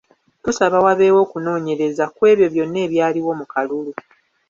Tusaba wabeewo okunoonyereza ku ebyo byonna ebyaliwo mu kalulu.